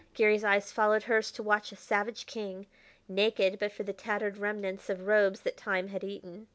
Garry's eyes followed hers to watch a savage king, naked but for the tattered remnants of robes that time had eaten.